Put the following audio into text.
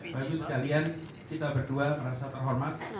bagi sekalian kita berdua merasa terhormat